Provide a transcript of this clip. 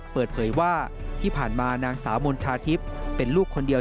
เปิดเผยว่าที่ผ่านมานางสาวมณฑาทิพย์เป็นลูกคนเดียว